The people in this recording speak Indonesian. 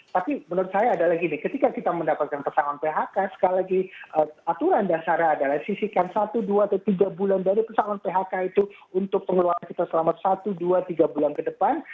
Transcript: tapi menurut saya adalah gini ketika kita mendapatkan pesangon phk sekali lagi aturan dasarnya adalah sisikan satu dua atau tiga bulan dari pesangon phk itu untuk pengeluaran kita selama satu dua tiga bulan ke depan